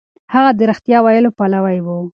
هغه د رښتيا ويلو پلوی و.